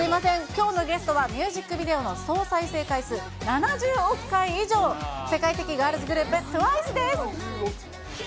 きょうのゲストは、ミュージックビデオの総再生回数７０億回以上、世界的ガールズグループ、ＴＷＩＣＥです。